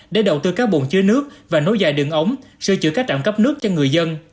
để đầu tư các bồn chứa nước và nối dài đường ống sơ chữa các trạm cấp nước cho người dân